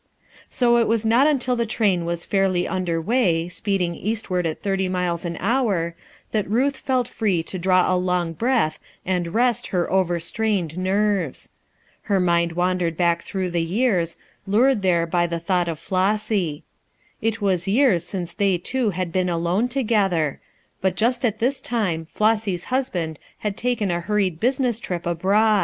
So it was not until the train was fairly under way, speeding eastward at thirty miles an hour, that Ruth felt free to draw a long breath and rest her overstrained nerves. Her mind wandered back through the years, lured there by the thought of Flossy. It was years since they two had been alone together, but just at this time Hossy's husband had taken a hurried business trip abroad.